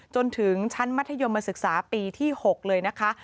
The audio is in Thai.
จนถึงชั้นมัธยมศึกษาปีที่๖เลยนะคะ